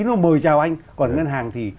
nó mời chào anh còn ngân hàng thì